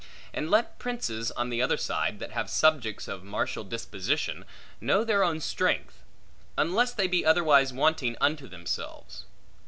And let princes, on the other side, that have subjects of martial disposition, know their own strength; unless they be otherwise wanting unto themselves.